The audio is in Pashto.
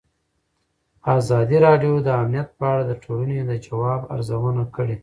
ازادي راډیو د امنیت په اړه د ټولنې د ځواب ارزونه کړې.